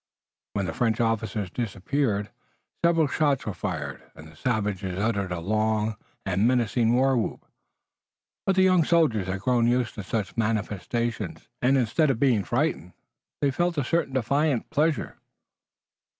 When the French officers disappeared several shots were fired and the savages uttered a long and menacing war whoop, but the young soldiers had grown used to such manifestations, and, instead of being frightened, they felt a certain defiant pleasure.